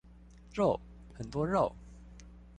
肉！很多肉！